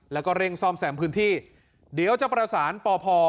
แล้วก็เร่งซ่อมแซมพื้นที่เดี๋ยวจะประสานปพ